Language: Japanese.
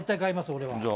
俺は。